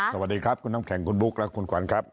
สวัสดีครับคุณน้ำแข็งคุณบุ๊คและคุณขวัญครับ